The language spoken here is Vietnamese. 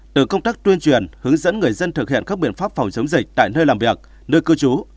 từ công tác tuyên truyền hướng dẫn người dân thực hiện các biện pháp phòng chống dịch tại nơi làm việc nơi cư trú